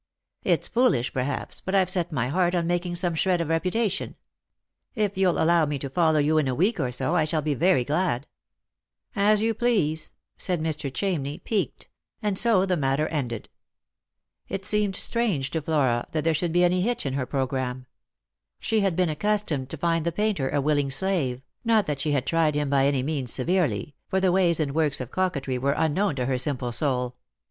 " It's foolish, perhaps, but I've set my heart on making some Bhred of reputation. If you'll allow me to follow you in a week or so, I shall be very glad." 90 Lost for Love. "As you please," said Mr. Chamney, piqued; and so the matter ended. It seemed strange to Flora that there should be any hitch in her programme. She had been accustomed to find the painter a willing slave, not that she had tried him by any means severely, for the ways and works of coquetry were unknown to her simple soul.